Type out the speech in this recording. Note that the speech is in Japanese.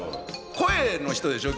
声の人でしょう？